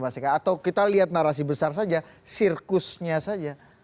atau kita lihat narasi besar saja sirkusnya saja